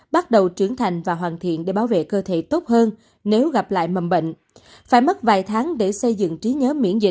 bắt đầu trưởng thành và hoàn thiện để bảo vệ cơ thể tốt hơn nếu gặp lại mầm bệnh